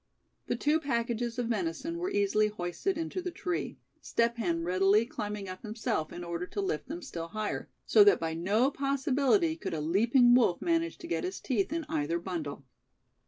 The two packages of venison were easily hoisted into the tree, Step Hen readily climbing up himself in order to lift them still higher; so that by no possibility could a leaping wolf manage to get his teeth in either bundle.